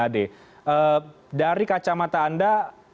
dari kacamata anda